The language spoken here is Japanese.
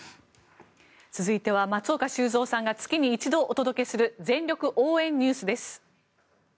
続いては、松岡修造さんが月に一度お届けする全力応援ＮＥＷＳです。